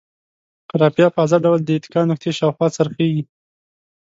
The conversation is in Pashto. رافعه په ازاد ډول د اتکا نقطې شاوخوا څرخیږي.